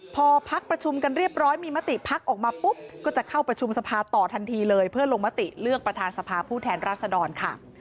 พอพักประชุมกันเรียบร้อยมีมติพักออกมาปุ๊บก็จะเข้าประชุมสภาต่อทันทีเลยเพื่อลงมติเลือกประธานสภาผู้แทนราษดรค่ะ